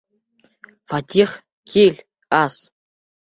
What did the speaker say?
Фәтих, кил, ас!